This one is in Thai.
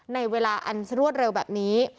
ในเวลาอันรวดเร็วแบบนี้